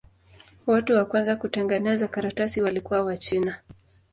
Watu wa kwanza kutengeneza karatasi walikuwa Wachina.